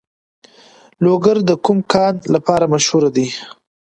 لوګر د کوم کان لپاره مشهور دی؟